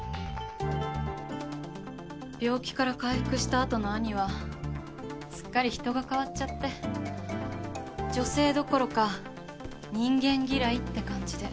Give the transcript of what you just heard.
病気から回復したあとの兄はすっかり人が変わっちゃって女性どころか人間嫌いって感じで。